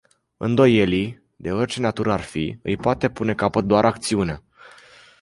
Îndoielii, de orice natură ar fi, îi poate pune capăt doar acțiunea.